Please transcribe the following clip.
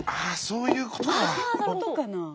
こういうことかな。